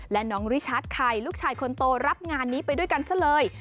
และน้องริชาร์จไข่ลูกชายคนโตรับงานนี้ไปด้วยกันซะเลย